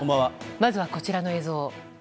まずはこちらの映像。